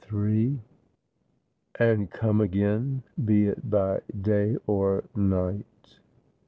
AND COME AGEN, BE IT BY DAY OR NIGHT.'